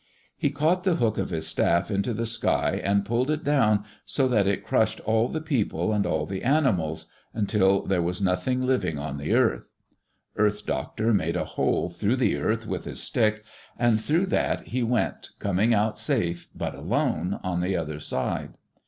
He caught the hook of his staff into the sky and pulled it down so that it crushed all the people and all the animals, until there was nothing living on the earth. Earth Doctor made a hole through the earth with his stick, and through that he went, coming out safe, but alone, on the other side.